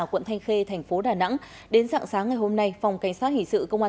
quận thanh khê thành phố đà nẵng đến dạng sáng ngày hôm nay phòng cảnh sát hình sự công an